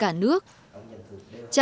trạm được đầu tư sửa chữa